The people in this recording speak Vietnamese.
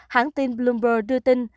hãng tin bloomberg đưa tin